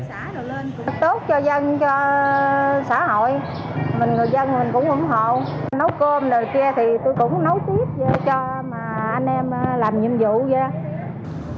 mình người dân mình cũng ủng hộ nấu cơm rồi kia thì tôi cũng nấu tiếp cho mà anh em làm nhiệm vụ ra